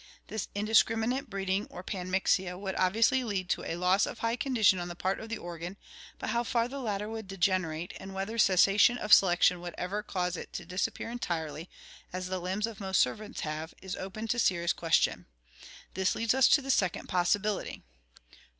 This indiscrimi nate breeding or panmixia would obviously lead to a loss of high condition on the part of the organ, but how far the latter would degenerate and whether cessation of selection would ever cause it to disappear entirely, as the limbs of most serpents have, is open to serious question. This leads us to the second possibility.